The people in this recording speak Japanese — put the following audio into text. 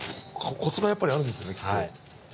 コツがやっぱりあるんですよねきっと。